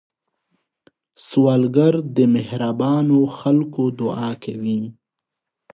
سوالګر د مهربانو خلکو دعا کوي